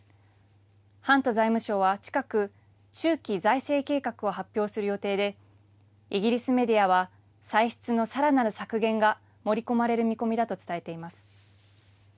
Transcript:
ハント財務相は近く、中期財政計画を発表する予定で、イギリスメディアは、歳出のさらなる削減が盛り込まれる見込みだと伝えています。